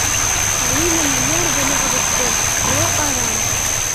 Алина мыняр гана вурсен, но арам.